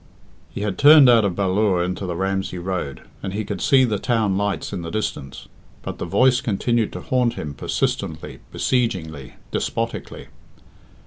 He had turned out of Ballure into the Ramsey Road, and he could see the town lights in the distance. But the voice continued to haunt him persistently, besiegingly, despotically.